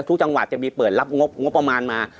แต่หน่วยเหงาเลย